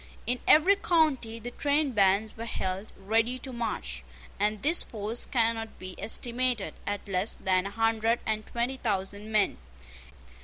In every county the trainbands were held ready to march; and this force cannot be estimated at less than a hundred and twenty thousand men.